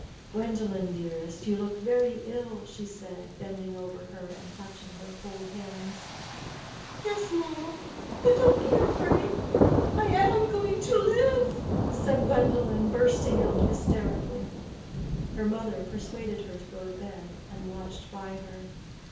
"Gwendolen, dearest, you look very ill," she said, bending over her and touching her cold hands. "Yes, mamma. But don't be afraid. I am going to live," said Gwendolen, bursting out hysterically. Her mother persuaded her to go to bed, and watched by her.